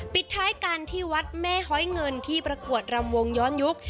ปิดท้ายกันที่วัดแม่หอยเงินที่ประกวดรำวงย้อนยุค